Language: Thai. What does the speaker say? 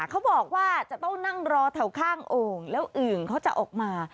เขาบอกว่าจะต้องนั่งรอแถวข้างโอ่งแล้วอึ่งเขาจะออกมา